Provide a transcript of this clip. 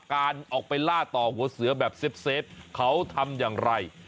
การออกไปล่าต่อหัวเสือแบบเซฟเขาทำอย่างไร